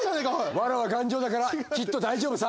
わらは頑丈だからきっと大丈夫さ。